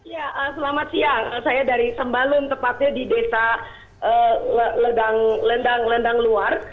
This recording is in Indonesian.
ya selamat siang saya dari sembalun tepatnya di desa lendang lendang luar